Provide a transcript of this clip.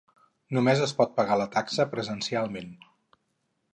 Només es pot pagar la taxa presencialment.